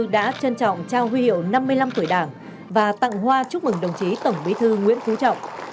đã trân trọng trao huy hiệu năm mươi năm tuổi đảng và tặng hoa chúc mừng đồng chí tổng bí thư nguyễn phú trọng